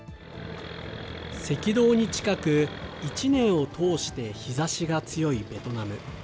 赤道に近く、１年を通して日ざしが強いベトナム。